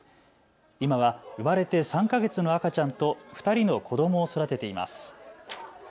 今は生まれて３か月の赤ちゃんと２人の子どもを育てています。